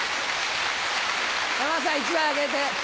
山田さん１枚あげて。